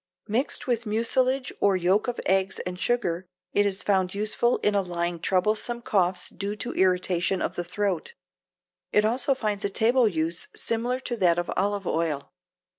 Mixed with mucilage or yolk of eggs and sugar it is found useful in allaying troublesome coughs due to irritation of the throat. It also finds a table use similar to that of olive oil.